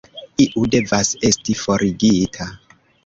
Iu devas esti forigita.